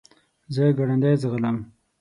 زه ګړندی ځغلم .